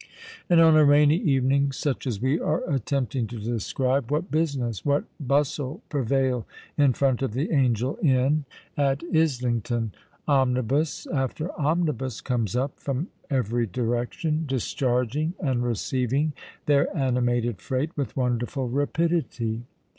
And, on a rainy evening such as we are attempting to describe, what business—what bustle prevail in front of the Angel Inn at Islington! Omnibus after omnibus comes up, from every direction, discharging and receiving their animated freight with wonderful rapidity.